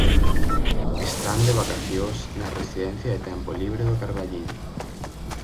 Están de vacacións na residencia de tempo libre do Carballiño.